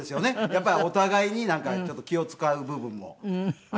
やっぱりお互いになんかちょっと気を使う部分もありましたから。